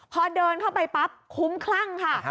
พอเดินเข้าไปปั๊บคุ้มคลั่งค่ะ